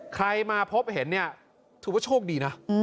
ใครมาพบเห็นเนี่ยถือว่าโชคดีนะ